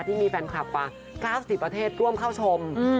ที่มีแฟนคลับกว่า๙๐ประเทศร่วมเข้าชม